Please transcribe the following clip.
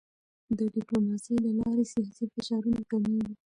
د ډیپلوماسی له لارې سیاسي فشارونه کمېږي.